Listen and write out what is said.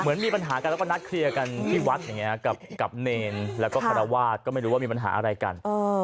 มีปัญหากันแล้วก็นัดเคลียร์กันที่วัดอย่างนี้กับเนรแล้วก็คารวาสก็ไม่รู้ว่ามีปัญหาอะไรกัน